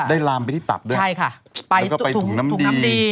ได้ลามไปที่ตับด้วยใช่ค่ะไปถูกน้ำดี